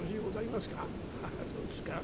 ハハそうですか。